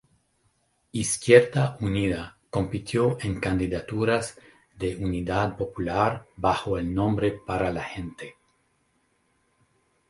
Izquierda Unida compitió en candidaturas de unidad popular bajo el nombre para la Gente.